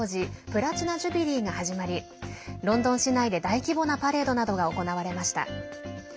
プラチナ・ジュビリーが始まりロンドン市内で大規模なパレードなどが行われました。